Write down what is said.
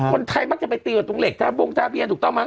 คนไทยมักจะไปตีกับตรงเหล็กทาบงทะเบียนถูกต้องไหม